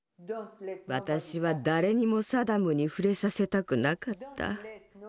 私は誰にもサダムに触れさせたくなかった。